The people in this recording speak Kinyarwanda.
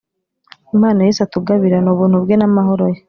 Impano yesu atugabira ni Ubuntu bwe n’amahoro ye